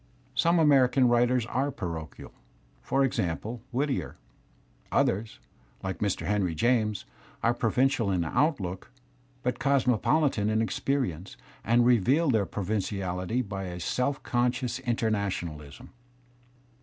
Some American writers are parochial, for example, \Whittier. Others, like Mr. Heniy James, are provincial in outlook, but cosmopolitan in experience, and reveal their provinciality by a self conscious internationalism.